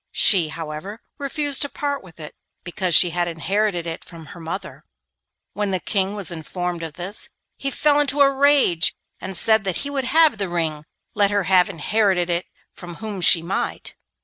She, however, refused to part with it, because she had inherited it from her mother. When the King was informed of this he fell into a rage, and said that he would have the ring, let her have inherited it from whom she might.